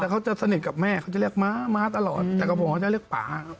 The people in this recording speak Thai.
แต่เขาจะสนิทกับแม่เขาจะเรียกม้าม้าตลอดแต่กับหมอจะเรียกป่า